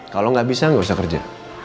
kalau gak bisa gak usah kerja